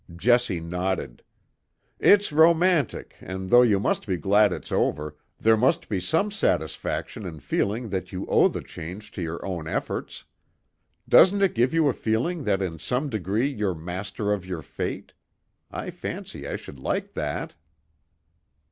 Jessie nodded. "It's romantic, and though you must be glad it's over, there must be some satisfaction in feeling that you owe the change to your own efforts. Doesn't it give you a feeling that in some degree you're master of your fate? I fancy I should like that."